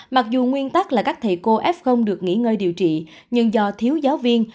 mặc dù nguyên tắc là các thầy cô f được nghỉ ngơi điều trị nhưng do thiếu giáo viên